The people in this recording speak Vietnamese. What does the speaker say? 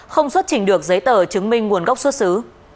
không xuất trình được giấy tờ chứng minh nguồn gốc xuất xứ